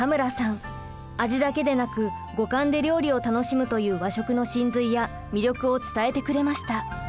味だけでなく五感で料理を楽しむという和食の神髄や魅力を伝えてくれました。